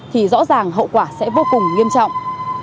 thì rõ ràng hậu quả sẽ vô cùng nghiêm trọng